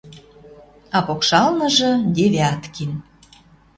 А покшалныжы Девяткин